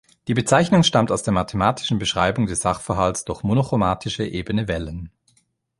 Die Bezeichnung stammt aus der mathematischen Beschreibung des Sachverhalts durch monochromatische ebene Wellen.